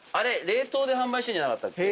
冷凍で販売してんじゃなかったっけ？